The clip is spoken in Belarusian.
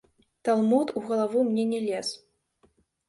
Талмуд у галаву мне не лез.